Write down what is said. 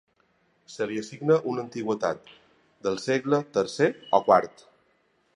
Se li assigna una antiguitat del segle tercer o quart.